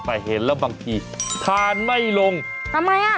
แต่เห็นแล้วบางทีทานไม่ลงทำไมอ่ะ